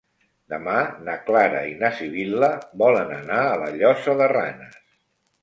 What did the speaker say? Demà na Clara i na Sibil·la volen anar a la Llosa de Ranes.